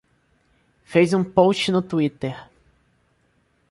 Fez um post no Twitter